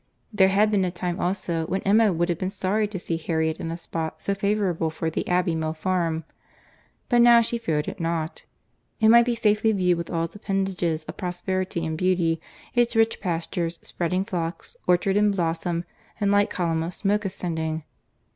There had been a time also when Emma would have been sorry to see Harriet in a spot so favourable for the Abbey Mill Farm; but now she feared it not. It might be safely viewed with all its appendages of prosperity and beauty, its rich pastures, spreading flocks, orchard in blossom, and light column of smoke ascending.